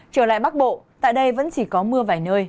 trở lại bắc bộ tại đây vẫn chỉ có mưa vài nơi